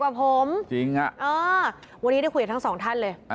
วันนี้ได้คุยกันทั้งสองท่านเลย